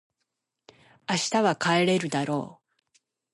明日は晴れるだろう